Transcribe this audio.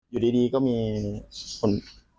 อยู่ดีก็มีคน